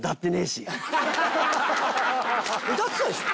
歌ってたでしょ？